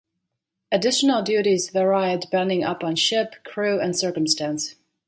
Additional duties vary depending upon ship, crew, and circumstance.